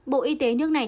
bộ y tế nước này